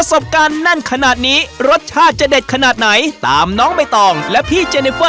น้ำมันงามันจะทำให้ไม่สาบไม่เคล้า